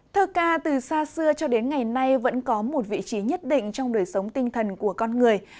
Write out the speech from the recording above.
thơ ca từ xa xưa cho đến ngày nay vẫn có một vị trí nhất định trong đời sống tinh thần của con người